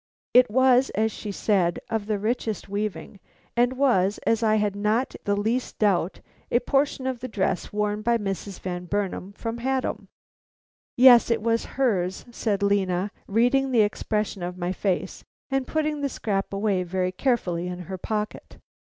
It was, as she said, of the richest weaving, and was, as I had not the least doubt, a portion of the dress worn by Mrs. Van Burnam from Haddam. "Yes, it was hers," said Lena, reading the expression of my face, and putting the scrap away very carefully in her pocket.